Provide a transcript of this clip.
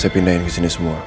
saya pindahin kesini semua